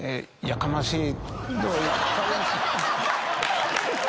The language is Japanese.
やかましい。